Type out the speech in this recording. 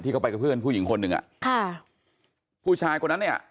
เขาไปกับเพื่อนผู้หญิงคนหนึ่งอ่ะค่ะผู้ชายคนนั้นเนี่ย